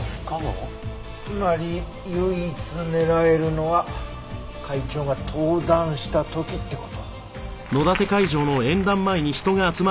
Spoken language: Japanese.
つまり唯一狙えるのは会長が登壇した時って事。